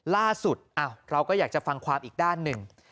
ล่าสุดเราก็อยากจะฟังความอีกด้านหนึ่ง